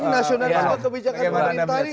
nasionalisme kebijakan pemerintah